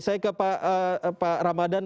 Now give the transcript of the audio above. saya ke pak ramadhan